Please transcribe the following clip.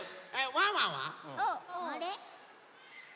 ワンワンは？